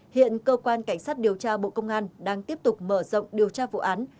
hiện cơ quan cảnh sát điều tra bộ công an đang tiếp tục mở rộng điều tra vụ án